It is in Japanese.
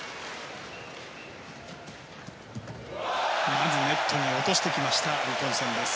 まずネットに落としてきましたアントンセンです。